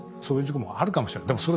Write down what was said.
そういう事故もあるかもしれない。